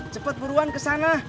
cepet buruan ke sana